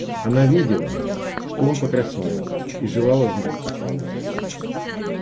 Она видела, что он покраснел, и желала знать, почему.